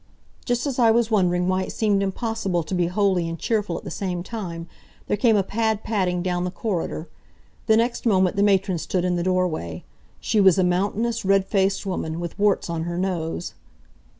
Just as I was wondering why it seemed impossible to be holy and cheerful at the same time, there came a pad padding down the corridor. The next moment the matron stood in the doorway. She was a mountainous, red faced woman, with warts on her nose.